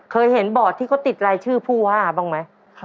เคยเห็นบอร์ดที่เขาติดรายชื่อผู้ว่าบ้างไหม